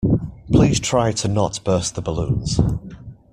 Please try not to burst the balloons